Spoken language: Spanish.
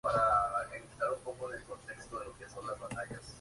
Se mudaron a una casa en White City juntos.